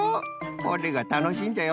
これがたのしいんじゃよ。